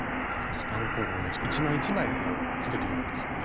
スパンコールもね一枚一枚つけているんですよね。